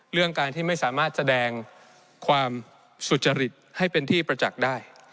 เรื่องการที่ไม่สามารถแสดงความสุจริตให้เป็นที่ประจักษ์ได้